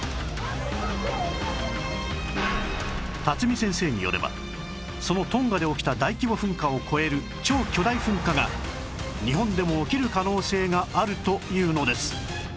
巽先生によればそのトンガで起きた大規模噴火を超える超巨大噴火が日本でも起きる可能性があるというのです